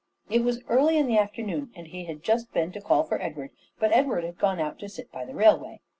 It was early in the afternoon, and he had just been to call for Edward, but Edward had gone out to sit by the railway.